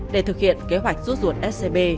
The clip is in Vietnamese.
để thực hiện kế hoạch rút ruột scb